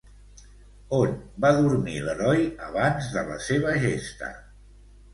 On va dormir l'heroi abans de la seva gesta?